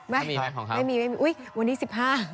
ไม่มีไม่มีอุ๊ยวันนี้๑๕